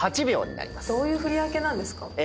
どういう振り分けなんですか？